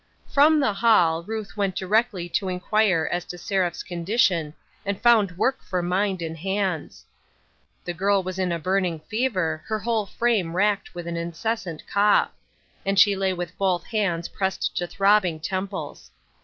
FROM the hall, Ruth went directly to inquire as to Seraph's condition, and found work for mind and hands. The girl was in a burning fever, her whole frame racked with an incessant cough ; and she lay with both hands pressed to throbbing temples.